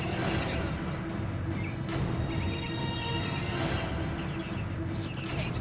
sepertinya itu pak